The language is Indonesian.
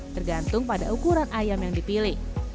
tergantung pada ukuran ayam yang dipilih